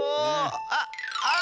あっあっ！